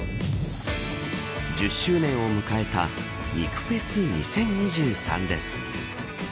１０周年を迎えた肉フェス２０２３です。